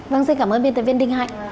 vâng xin cảm ơn biên tập viên đinh hạnh